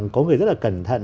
có người rất là cẩn thận